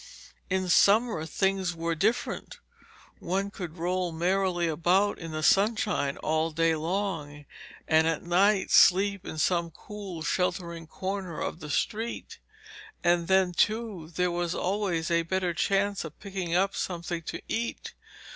In summer things were different. One could roll merrily about in the sunshine all day long, and at night sleep in some cool sheltering corner of the street. And then, too, there was always a better chance of picking up something to eat.